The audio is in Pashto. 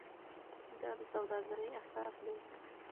دا د سوداګرۍ اساس دی.